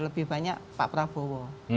lebih banyak pak prabowo